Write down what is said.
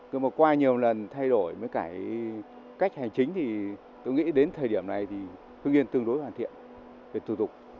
nhưng mà qua nhiều lần thay đổi với cải cách hành chính thì tôi nghĩ đến thời điểm này thì hương yên tương đối hoàn thiện về thủ tục